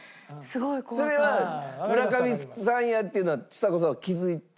それは村上さんやっていうのはちさ子さんは気づいて？